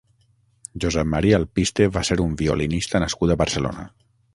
Josep Maria Alpiste va ser un violinista nascut a Barcelona.